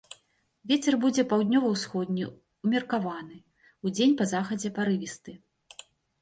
Вецер будзе паўднёва-ўсходні ўмеркаваны, удзень па захадзе парывісты.